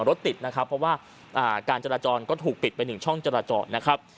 รถติดนะครับเพราะว่าการจราจรก็ถูกปิดไป๑ช่องจราจรนะครับ